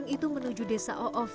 tujuh pagi menuju desa oof